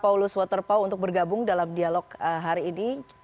pak paulus waterman untuk bergabung dalam dialog hari ini